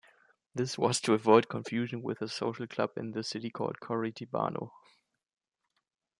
This was to avoid confusion with a social club in the city called "Coritibano".